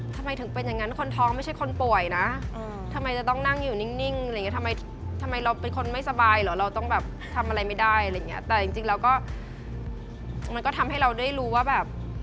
แต่จริงจริงมันก็ทำให้เรารู้ว่า